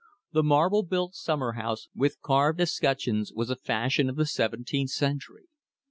The marble built summer house, with carved escutcheons, was a fashion of the seventeenth century.